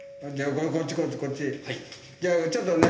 じゃあちょっとね